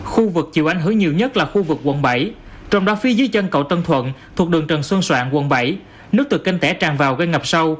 khu vực chịu ánh hứa nhiều nhất là khu vực quận bảy trong đoạn phi dưới chân cầu tân thuận thuộc đường trần xuân soạn quận bảy nước từ kênh tẻ tràn vào gây ngập sâu